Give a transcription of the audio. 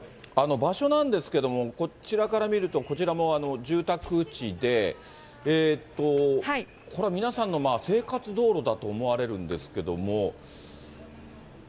場所なんですけど、こちらから見ると、こちらも住宅地で、これ、皆さんの生活道路だと思われるんですけど。